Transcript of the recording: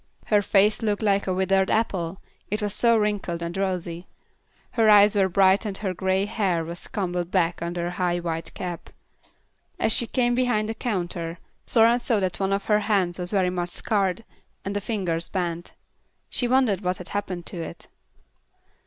Her face looked like a withered apple, it was so wrinkled and rosy; her eyes were bright and her grey hair was combed back under a high white cap. As she came behind the counter, Florence saw that one of her hands was very much scarred, and the fingers bent. She wondered what had happened to it.